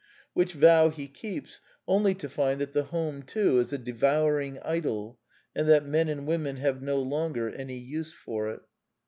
Which vow he keeps, only to find that the home, too, is a devouring idol, and that men and women have no longer any use for it.